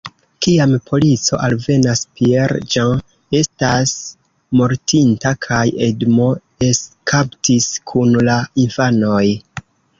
Kiam polico alvenas, Pierre-Jean estas mortinta kaj Edmond eskapis kun la infanoj.